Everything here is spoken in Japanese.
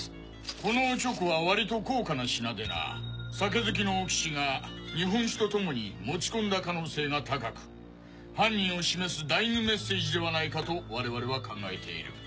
このオチョコは割と高価な品でな酒好きの大木が日本酒と共に持ち込んだ可能性が高く犯人を示すダイイングメッセージではないかと我々は考えている。